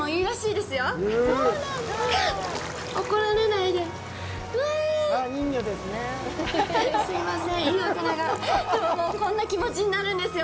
でも、もうこんな気持ちになるんですよ